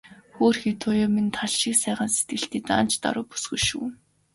Хөөрхий Туяа минь тал шиг сайхан сэтгэлтэй, даанч даруу бүсгүй шүү.